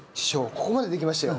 ここまでできましたよ。